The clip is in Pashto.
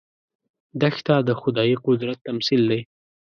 دښته د خدايي قدرت تمثیل دی.